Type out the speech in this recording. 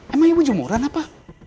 emang ibu jemuran apa